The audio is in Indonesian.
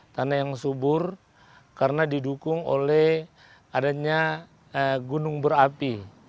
tanah yang subur karena didukung oleh adanya gunung berapi